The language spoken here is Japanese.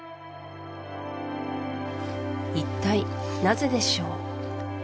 一体なぜでしょう？